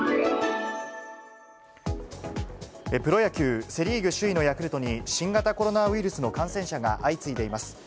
プロ野球セ・リーグ首位のヤクルトに、新型コロナウイルスの感染者が相次いでいます。